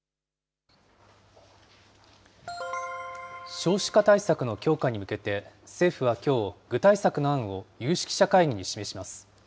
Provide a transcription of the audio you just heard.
少子化対策の強化に向けて、政府はきょう、具体策の案を有識者会議に示します。